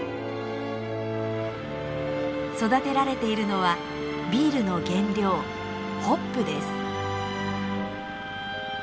育てられているのはビールの原料ホップです。